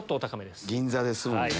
銀座ですもんね。